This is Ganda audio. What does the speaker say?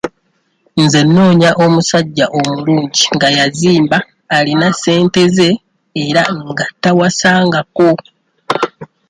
Nze noonya omusajja omulungi nga yazimba, alina ssente ze era nga tawasangako.